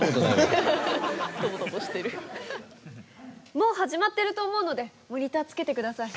もう始まってると思うのでモニターつけてください。